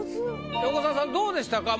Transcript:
横澤さんどうでしたか？